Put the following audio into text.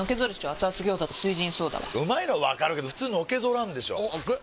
アツアツ餃子と「翠ジンソーダ」はうまいのはわかるけどフツーのけぞらんでしょアツ！